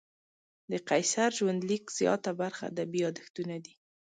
د قیصر ژوندلیک زیاته برخه ادبي یادښتونه دي.